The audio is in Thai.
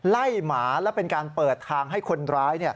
หมาและเป็นการเปิดทางให้คนร้าย